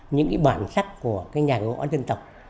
những cái bản sắc của cái nhạc gõ dân tộc